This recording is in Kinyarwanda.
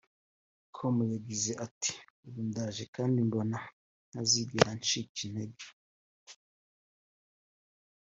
com yagize ati” ubu ndaje kandi mbona ntazigera ncika intege